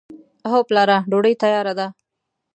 هو پلاره! ډوډۍ تیاره ده.